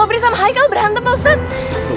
sobri sama hai kalau berantem pak ustadz